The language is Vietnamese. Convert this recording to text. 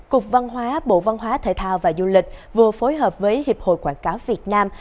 cục văn hóa bộ văn hóa thể thao và du lịch vừa phối hợp với hiệp hội quảng cáo việt nam